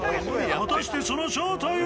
果たしてその正体は？